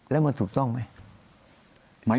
แล้วมันถูกต้องไหม